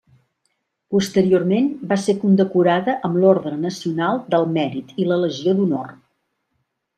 Posteriorment va ser condecorada amb l'Orde Nacional del Mèrit i la Legió d'Honor.